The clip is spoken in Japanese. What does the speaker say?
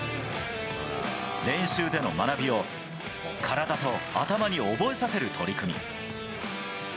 練習での学びを、体と頭に覚えさせる取り組み。